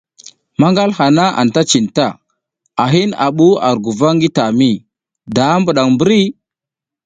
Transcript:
Manal haha anta cinta, a hin a bu ar guva ngi tami, da bidang mbirke?